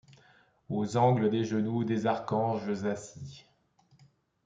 Aux angles des genoux des archanges assis !